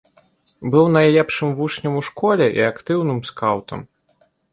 Быў найлепшым вучнем у школе і актыўным скаўтам.